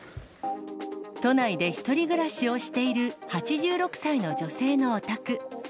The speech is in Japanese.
都内で１人暮らしをしている、８６歳の女性のお宅。